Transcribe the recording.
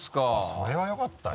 それはよかったよ。